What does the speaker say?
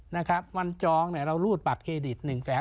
นะครับมันจองเนี่ยเรารูดบัตรเครดิต๑แสน